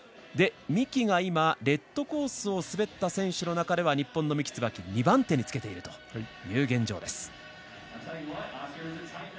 三木が、レッドコースを滑った選手の中では２番手につけています。